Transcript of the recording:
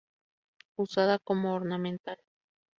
Usada como ornamental.